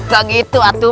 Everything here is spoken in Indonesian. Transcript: gak gitu atu